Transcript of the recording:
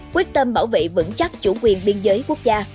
quyết tâm bảo vệ vững chắc chủ quyền biên giới quốc gia